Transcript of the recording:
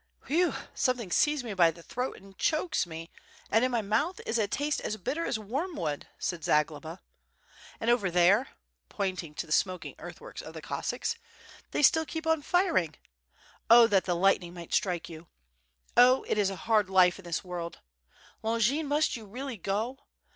"Whew! Something seized me by the throat and chokes me, and in my mouth is a taste as bitter as wormwood," said Zagloba. "And over there (pointing to the smoking earthworks of the Cossacks) they still keep on firing. ... Oh, that the lightning might strike you! Oh, it is a hard life in this world! Longin, must you really go?